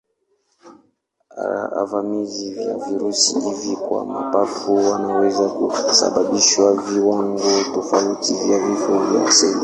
Uvamizi wa virusi hivi kwa mapafu unaweza kusababisha viwango tofauti vya vifo vya seli.